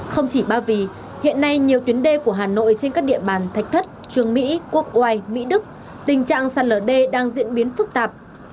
không chỉ ba vì hiện nay nhiều tuyến đê của hà nội trên các địa bàn thạch thất trường mỹ quốc oai mỹ đức tình trạng sạt lở đê đang diễn biến phức tạp